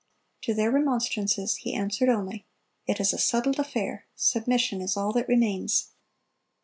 To their remonstrances he answered only, "It is a settled affair; submission is all that remains."